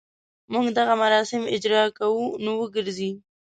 موږ دغه مراسم اجراء کوو نو وګرځي.